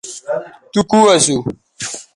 تو کو اسو